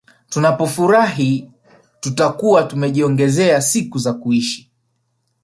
Tunapofurahi tutakuwa tumejiongezea siku za kuishi